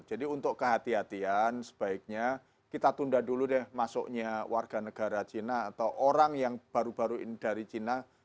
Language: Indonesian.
jadi untuk kehatian sebaiknya kita tunda dulu deh masuknya warga negara china atau orang yang baru baru ini dari china ke indonesia